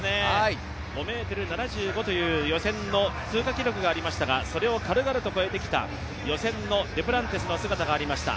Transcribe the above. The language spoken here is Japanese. ５ｍ７５という予選の通過記録がありましたが、それを軽々と越えてきた、予選のデュプランティスの姿がありました。